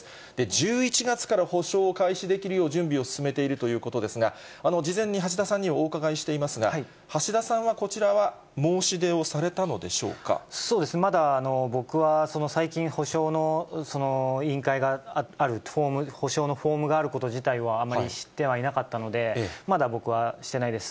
１１月から補償を開始できるよう、準備を進めているということですが、事前に橋田さんにお伺いしていますが、橋田さんは、こちらはそうですね、まだ僕は、その最近、補償の委員会がある、補償のフォームがあること自体が、あまり知ってはいなかったので、まだ僕はしてないです。